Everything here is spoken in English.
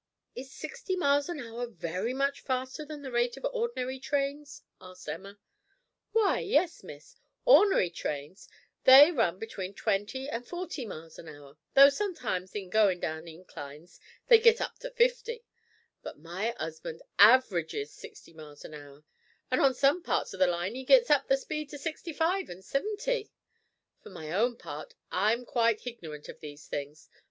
"Is sixty miles an hour very much faster than the rate of ordinary trains?" asked Emma. "W'y, yes, Miss. Or'nary trains they run between twenty and forty miles an hour, though sometimes in goin' down inclines they git up to fifty; but my 'usband averages sixty miles an hour, an' on some parts o' the line 'e gits up the speed to sixty five an' siventy. For my own part I'm quite hignorant of these things.